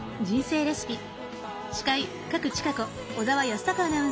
人生レシピ」